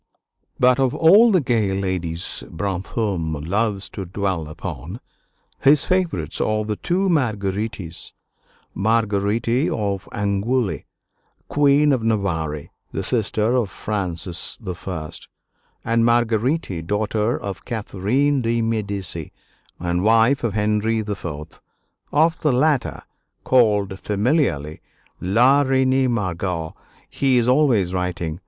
But of all the gay ladies Brantôme loves to dwell upon, his favorites are the two Marguerites: Marguerite of Angoulême, Queen of Navarre, the sister of Francis I., and Marguerite, daughter of Catherine de' Medici and wife of Henry IV. Of the latter, called familiarly "La Reine Margot," he is always writing.